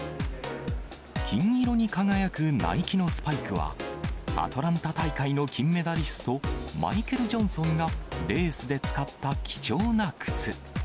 金色に輝くナイキのスパイクは、アトランタ大会の金メダリスト、マイケル・ジョンソンがレースで使った貴重な靴。